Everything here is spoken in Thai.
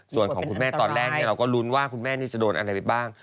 ส่วนของคุณแม่ตอนแรกเราก็ลุ้นว่าคุณแม่นี่จะโดนอะไรไปบ้าง